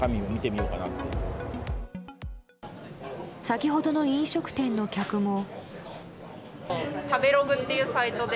先ほどの飲食店の客も。